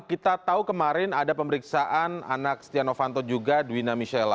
kita tahu kemarin ada pemeriksaan anak stiano fanto juga duwina michela